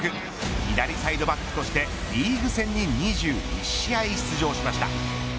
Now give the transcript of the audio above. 左サイドバックとしてリーグ戦に２１試合出場しました。